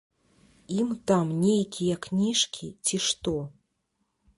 Ім там нейкія кніжкі ці што.